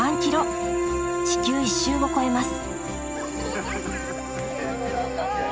地球一周を超えます。